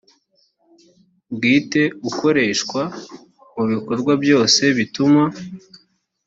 bwite ukoreshwa mu bikorwa byose bituma